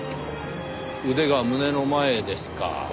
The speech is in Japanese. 腕が胸の前ですか。